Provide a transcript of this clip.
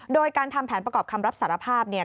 โดยการทำแผนประกอบคำรับสารภาพเนี่ย